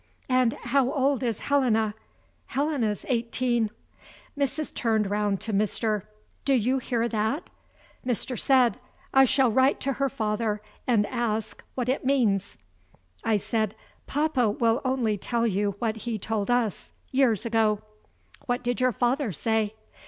"And how old is Helena?" "Helena's eighteen." Mrs. turned round to Mr.: "Do you hear that?" Mr. said: "I shall write to her father, and ask what it means." I said: "Papa will only tell you what he told us years ago." "What did your father say?"